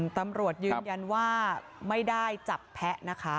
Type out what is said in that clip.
ตำรวจยืนยันว่าไม่ได้จับแพ้นะคะ